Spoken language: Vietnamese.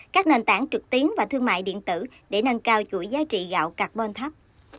các nền tảng trực tiến và thương mại điện tử để nâng cao chuỗi giá trị gạo carbon thấp